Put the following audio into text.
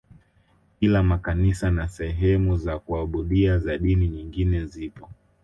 Ila makanisa na sehemu za kuabudia za dini nyingine zipo